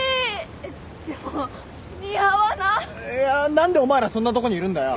何でお前らそんなとこにいるんだよ！？